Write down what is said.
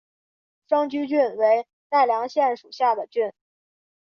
生驹郡为奈良县属下的郡。